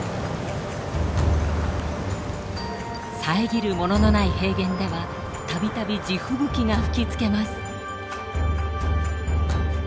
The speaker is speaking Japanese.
遮るもののない平原ではたびたび地吹雪が吹きつけます。